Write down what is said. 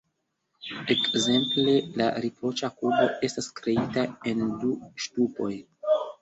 Ekzemple, la "riproĉa kubo" estas kreita en du ŝtupoj.